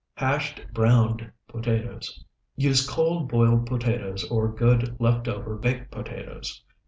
HASHED BROWNED POTATOES Use cold, boiled potatoes or good left over baked potatoes.